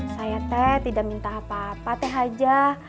saya teh tidak minta apa apa teh hajah